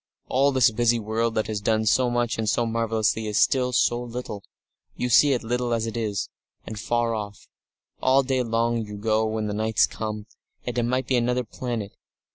All this busy world that has done so much and so marvellously, and is still so little you see it little as it is and far off. All day long you go and the night comes, and it might be another planet.